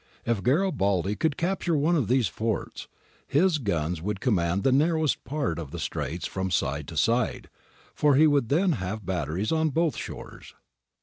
If Garibaldi could capture one of these forts, his guns would command the narrowest part of the Straits from side to side, for he would then have batteries on both shores.